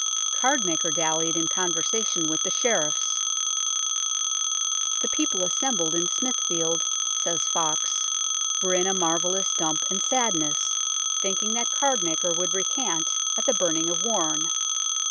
Cardmaker dallied in conversation with the Sheriffs. " The people assembled in Smithfield," says Foxe, "were in a marvellous dump and sadness, thinking that Cardmaker would recant at the burning of Warne.